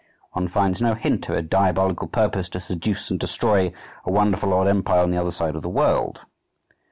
One finds no hint of a diabolical purpose to seduce and destroy a wonderful old empire on the other side of the world.